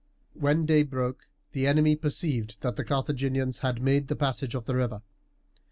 When day broke the enemy perceived that the Carthaginians had made the passage of the river.